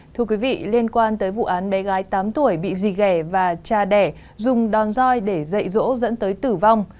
thưa quý vị liên quan tới vụ án bé gái tám tuổi bị rì ghẻ và cha đẻ dùng đòn roi để dạy rỗ dẫn tới tử vong